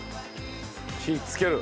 火つける。